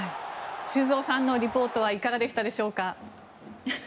修造さんのリポートはいかがだったでしょうか？